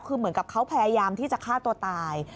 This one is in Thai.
คือเหมือนกับเขาพยายามที่จะฆ่าตัวตาย